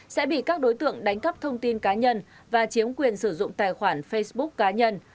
sẽ bị các đối tượng đánh cắp thông tin cá nhân và chiếm quyền sử dụng tài khoản facebook cá nhân